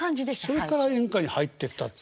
それから演歌に入ってったっていう。